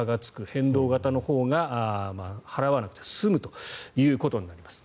変動型のほうが払わなくて済むということになります。